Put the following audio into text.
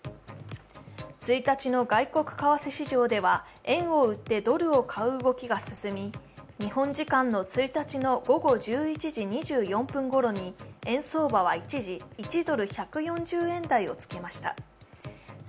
１日の外国為替市場では円を売ってドルを買う動きが進み日本時間の１日の午後１１時２４分ごろに円相場は一時１ドル＝１４０円台をつけました。